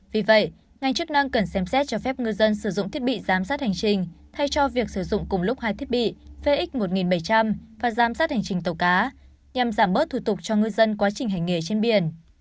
vì vậy ngành chức năng cần xem xét cho phép ngư dân sử dụng thiết bị giám sát hành trình thay cho việc sử dụng cùng lúc hai thiết bị fxx một nghìn bảy trăm linh và giám sát hành trình tàu cá nhằm giảm bớt thủ tục cho ngư dân quá trình hành nghề trên biển